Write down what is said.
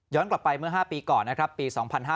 กลับไปเมื่อ๕ปีก่อนนะครับปี๒๕๕๙